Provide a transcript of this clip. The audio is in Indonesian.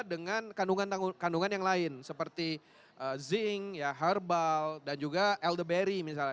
dengan kandungan yang lain seperti zinc herbal dan juga eldeberry misalnya